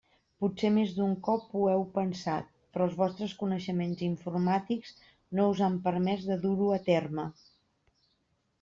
Potser més d'un cop ho heu pensat però els vostres coneixements informàtics no us han permès de dur-ho a terme.